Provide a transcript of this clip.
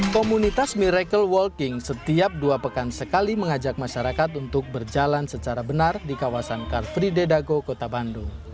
komunitas miracle walking setiap dua pekan sekali mengajak masyarakat untuk berjalan secara benar di kawasan karfri dedago kota bandung